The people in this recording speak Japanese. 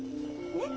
ねっ？